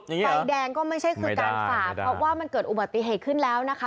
ไฟแดงก็ไม่ใช่คือการฝ่าเพราะว่ามันเกิดอุบัติเหตุขึ้นแล้วนะคะ